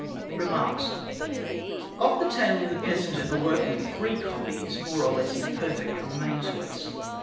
Remarks Of the tale of the peasant and the workman three copies, more or less imperfect, remain to us.